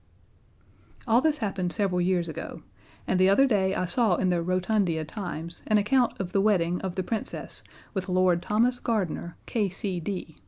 All this happened several years ago, and the other day I saw in the Rotundia Times an account of the wedding of the Princess with Lord Thomas Gardener, K.C.D.